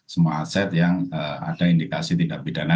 semua aset yang ada indikasi tindak pidana